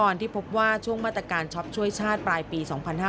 ที่พบว่าช่วงมาตรการช็อปช่วยชาติปลายปี๒๕๕๙